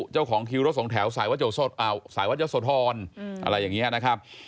เจ้าของคิวรถสองแถวสายวัดยะโสธรอะไรอย่างนี้นะครับ